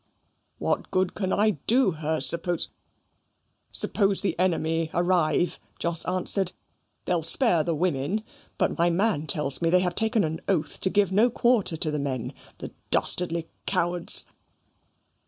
"What good can I do her, suppose suppose the enemy arrive?" Jos answered. "They'll spare the women; but my man tells me that they have taken an oath to give no quarter to the men the dastardly cowards."